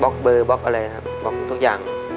เบอร์บล็อกอะไรครับบล็อกทุกอย่าง